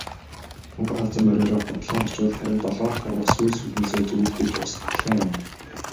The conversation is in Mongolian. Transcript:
Хонгор халзан мориороо хурдлан очвол харин долоон тарвага сүүл сүүлнээсээ зүүлдэж ус гатлан явна.